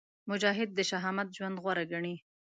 مجاهد د شهامت ژوند غوره ګڼي.